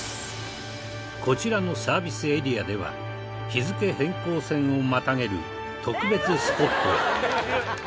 こちらのサービスエリアでは日付変更線をまたげる特別スポットや。